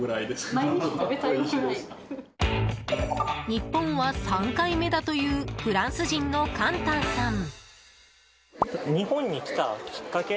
日本は３回目だというフランス人のカンタンさん。